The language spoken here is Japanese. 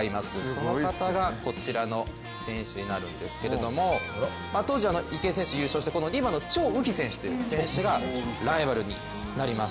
その方がこちらの選手になるんですけれども当時、池江選手優勝して、銀メダルの張雨霏選手ライバルになります。